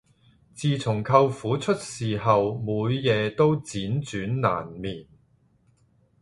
自從舅父出事後每夜都輾轉難眠